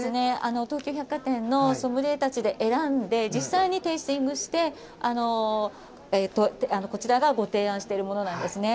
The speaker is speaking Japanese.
東急百貨店のソムリエたちで選んで、実際にテイスティングして、こちらがご提案しているものなんですね。